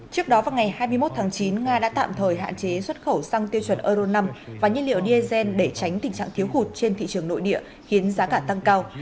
trước đó vào ngày hai mươi một tháng chín nga đã tạm thời hạn chế xuất khẩu xăng tiêu chuẩn euro năm và nhiên liệu diesel để tránh tình trạng thiếu hụt trên thị trường nội địa khiến giá cả tăng cao